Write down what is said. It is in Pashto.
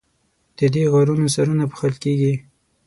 د دې غارونو سرونه پوښل کیږي.